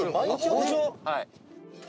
はい。